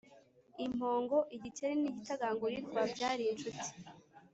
impongo, igikeri n'igitagangurirwa byari ishuti